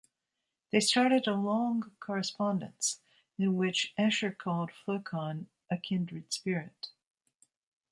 They started a long correspondence, in which Escher called Flocon a "kindred spirit".